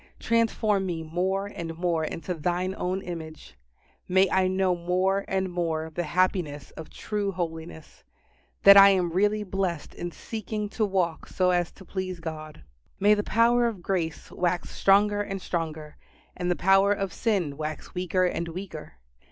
Transform me more and more into Thine own image. May I know more and more the happiness of true holiness that I am really blessed in seeking to walk so as to please God. May the power of grace wax stronger and stronger, and the power of sin wax weaker and weaker.